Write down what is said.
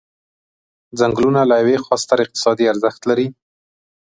څنګلونه له یوې خوا ستر اقتصادي ارزښت لري.